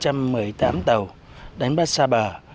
thì nam định là có năm trăm một mươi tám tàu đánh bắt xa bờ